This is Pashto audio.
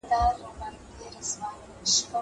په پخوانيو امتونو بل چاته حقيقي او واقعي علم نه وو.